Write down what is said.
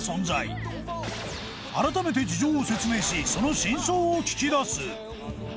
改めて事情を説明しその真相を聞き出す